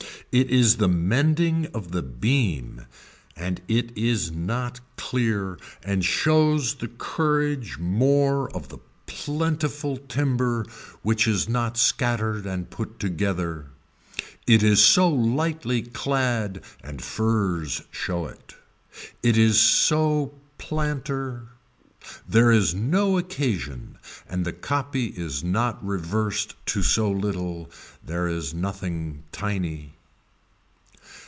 It is the mending of the beam and it is not clear and shows the courage more of the plentiful timber which is not scattered and put together. It is so lightly clad and furs show it. It is so planter. There is no occasion and the copy is not reversed to so little, there is nothing tiny.